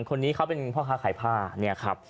คนนี้เป็นพ่อค้าไข่ผ้า